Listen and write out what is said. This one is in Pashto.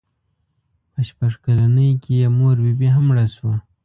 په شپږ کلنۍ کې یې مور بي بي هم مړه شوه.